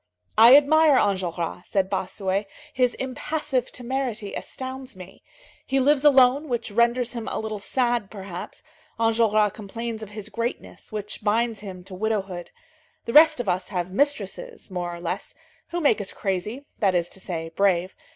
"I admire Enjolras," said Bossuet. "His impassive temerity astounds me. He lives alone, which renders him a little sad, perhaps; Enjolras complains of his greatness, which binds him to widowhood. The rest of us have mistresses, more or less, who make us crazy, that is to say, brave.